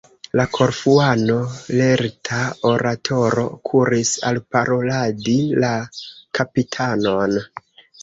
La Korfuano, lerta oratoro, kuris alparoladi la kapitanon.